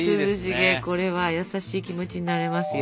これは優しい気持ちになれますよ。